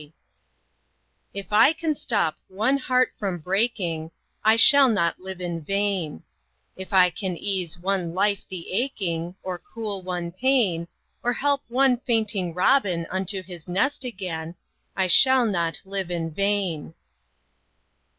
VI. If I can stop one heart from breaking, I shall not live in vain; If I can ease one life the aching, Or cool one pain, Or help one fainting robin Unto his nest again, I shall not live in vain.